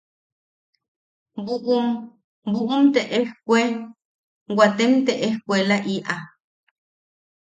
“buʼum... buʼum te ejkue... waatem te ejkuelaʼiʼa.